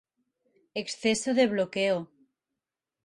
Exceso de bloqueo.